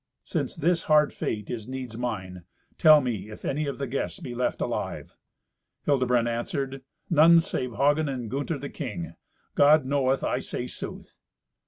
Since this hard fate is needs mine, tell me if any of the guests be left alive." Hildebrand answered, "None save Hagen, and Gunther, the king. God knoweth I say sooth."